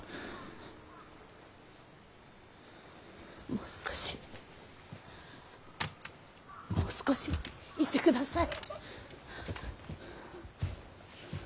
もう少しもう少しいてください。